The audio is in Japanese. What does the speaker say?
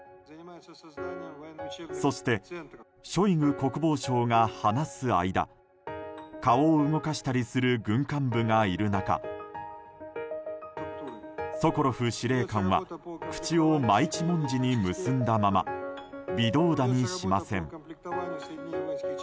そしてショイグ国防相が話す間顔を動かしたりする軍幹部がいる中ソコロフ司令官は口を真一文字に結んだまま微動だにしません。